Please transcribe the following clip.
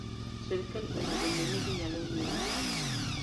Sirkal onego ong'e ni ginyalo ng'iewo